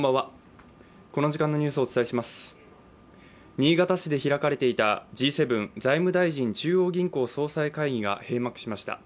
新潟市で開かれていたＧ７財務大臣・中央銀行総裁会議が閉幕しました。